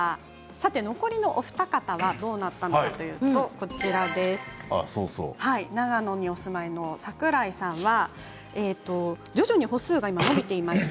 さて残りのお二方はどうなったかといいますと長野にお住まいの櫻井さん徐々に歩数が伸びています。